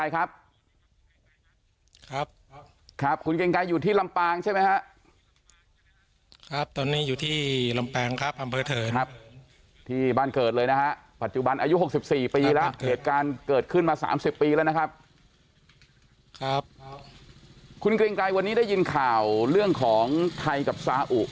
คุณเกรียงไกรวันนี้ได้ยินข่าวเรื่องของไทยกับซาอุ